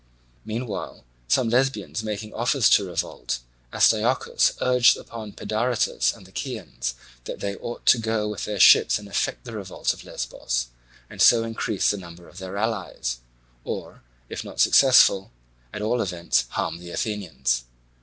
Meanwhile some Lesbians making offers to revolt, Astyochus urged upon Pedaritus and the Chians that they ought to go with their ships and effect the revolt of Lesbos, and so increase the number of their allies, or, if not successful, at all events harm the Athenians.